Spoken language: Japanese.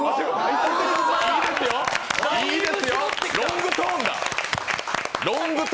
いいですよ！